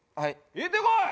行ってこい！